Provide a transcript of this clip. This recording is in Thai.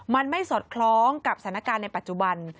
มันไม่สอดคล้องกับสถานการณ์ในปัจจุบัน